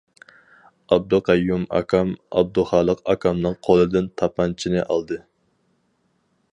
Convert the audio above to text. ئابدۇقەييۇم ئاكام ئابدۇخالىق ئاكامنىڭ قولىدىن تاپانچىنى ئالدى.